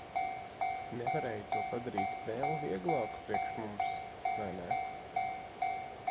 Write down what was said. Nevarēja to padarīt vēl vieglāku priekš mums, vai ne?